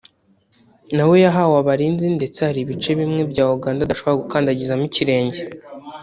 na we yahawe abarinzi ndetse hari ibice bimwe bya Uganda adashobora gukandagizamo ikirenge